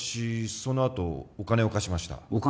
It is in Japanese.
そのあとお金を貸しましたお金？